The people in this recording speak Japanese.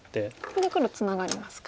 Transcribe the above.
これで黒ツナがりますか。